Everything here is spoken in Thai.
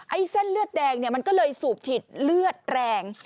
ไอ้เส้นเลือดแดงก็เลยสูบฉีดเลือดแรง